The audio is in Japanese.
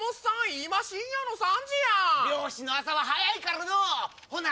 今深夜の３時やん漁師の朝は早いからのうほな